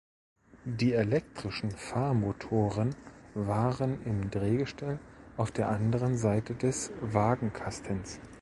Die elektrischen Fahrmotoren waren im Drehgestell auf der anderen Seite des Wagenkastens.